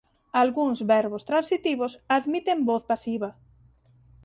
Algúns verbos transitivos admiten voz pasiva.